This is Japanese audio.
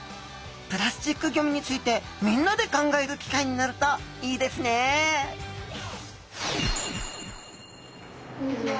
プラスチックゴミについてみんなで考える機会になるといいですねこんにちは。